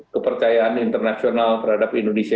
kepercayaan internasional terhadap indonesia